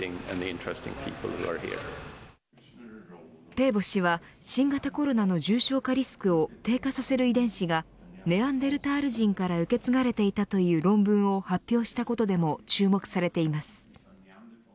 ペーボ氏は新型コロナの重症化リスクを低下させる遺伝子がネアンデルタール人から受け継がれていたという論文を発表したことでも注目されています。